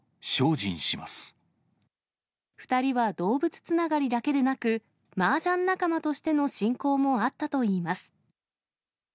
２人は動物つながりだけでなく、マージャン仲間としての親交もあったといいます。